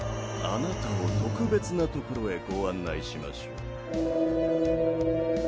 あなたを特別なところへご案内しましょう。